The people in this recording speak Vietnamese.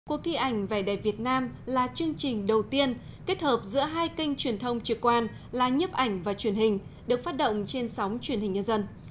cuộc thi ảnh vẻ đẹp việt nam là chương trình đầu tiên kết hợp giữa hai kênh truyền thông trực quan là nhiếp ảnh và truyền hình được phát động trên sóng truyền hình nhân dân